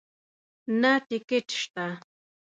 نه ټکټ شته